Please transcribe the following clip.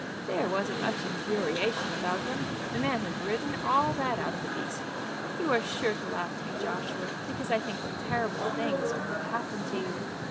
"There wasn't much infuriation about him. The man had ridden all that out of the beast." "You are sure to laugh at me, Joshua, because I think what terrible things might have happened to you.